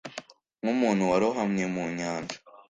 Nkumuntu warohamye mu nyanja